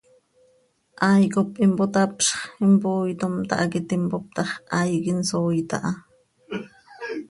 Hai cop impotapzx, impooitom, tahac iti mpoop ta x, hai quih insooit aha.